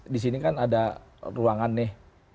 di sini kan ada ruangan nih